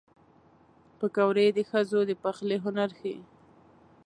پکورې د ښځو د پخلي هنر ښيي